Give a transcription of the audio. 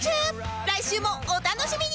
来週もお楽しみに！